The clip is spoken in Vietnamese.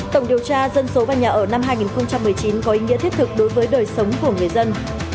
tổng điều tra dân số và nhà ở năm hai nghìn một mươi chín có ý nghĩa thiết thực đối với đời sống của người dân